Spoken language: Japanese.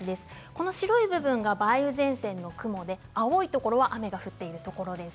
この白い部分が梅雨前線の雲で青いところは雨が降っているところです。